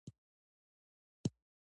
تاریخ د یوې کورنۍ په شان دی.